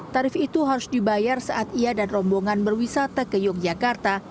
tarif itu harus dibayar saat ia dan rombongan berwisata ke yogyakarta